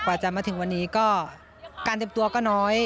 จะมาถึงวันนี้ก็การเตรียมตัวก็น้อย